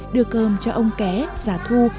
đưa cơm cho ông ké giả thu